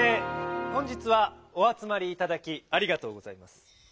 本日はおあつまりいただきありがとうございます。